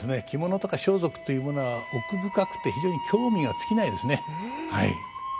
着物とか装束というものは奥深くて非常に興味が尽きないですねはい。